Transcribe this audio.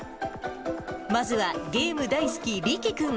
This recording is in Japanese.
まずは、ゲーム大好き、りき君。